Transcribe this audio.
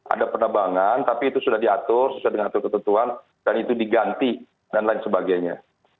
ada penerbangan tapi itu sudah diatur sesuai dengan ketentuan dan itu diganti dan lain sebagainya